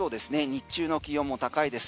日中の気温も高いです。